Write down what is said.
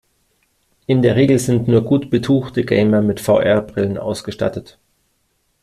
In der Regel sind nur gut betuchte Gamer mit VR-Brillen ausgestattet.